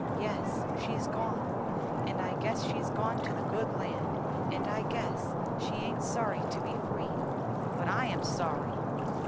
Yes, she's gone. And I guess she's gone to the good land; and I guess she aint sorry to be free; but I'm sorry!"